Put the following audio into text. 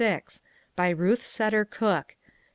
By Ruth Seder Cooke.